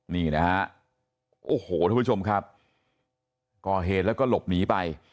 นี่นะฮะโอ้โหทุกผู้ชมครับก่อเหตุแล้วก็หลบหนีไป